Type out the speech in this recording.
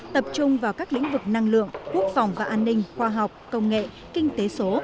tập trung vào các lĩnh vực năng lượng quốc phòng và an ninh khoa học công nghệ kinh tế số